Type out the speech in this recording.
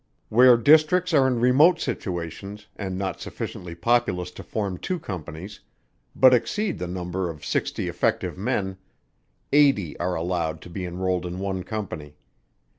Where districts are in remote situations, and not sufficiently populous to form two companies, but exceed the number of sixty effective men, eighty are allowed to be enrolled in one company.